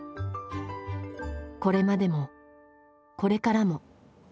これまでもこれからも。